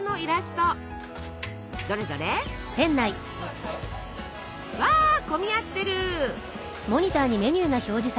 どれどれ？わ混み合ってる！